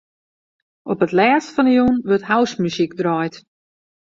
Op it lêst fan 'e jûn wurdt housemuzyk draaid.